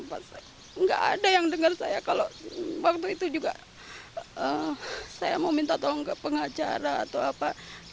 enggak ada yang dengar saya kalau waktu itu juga saya mau minta tolong ke pengacara atau apa